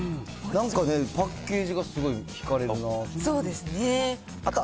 なんか、パッケージがすごいひかれるなと。